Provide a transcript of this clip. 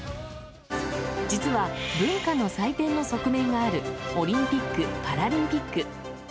実は、文化の祭典の側面があるオリンピック・パラリンピック。